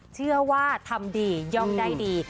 เชื่อว่าทำดีย่องได้ดี